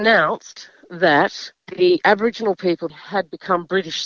orang orang aboriginal menjadi warga british